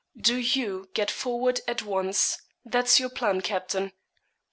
Do you get forward at once; that's your plan, captain.'